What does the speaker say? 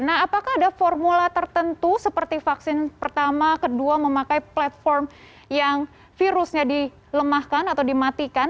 nah apakah ada formula tertentu seperti vaksin pertama kedua memakai platform yang virusnya dilemahkan atau dimatikan